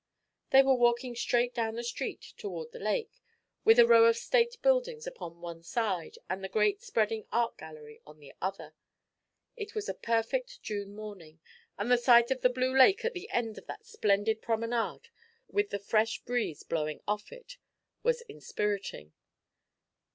They were walking straight down the street toward the lake, with a row of State buildings upon one side and the great spreading Art Gallery on the other. It was a perfect June morning, and the sight of the blue lake at the end of that splendid promenade, and the fresh breeze blowing off it, were inspiriting.